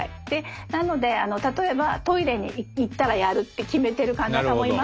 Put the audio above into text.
なので例えばトイレに行ったらやるって決めてる患者さんもいますし。